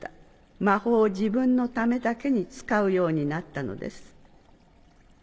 魔法を自分のためだけに使うようになったのです。